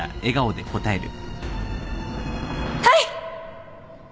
はい。